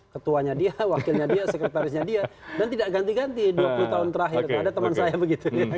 ketuanya dia wakilnya dia sekretarisnya dia dan tidak ganti ganti dua puluh tahun terakhir ada teman saya begitu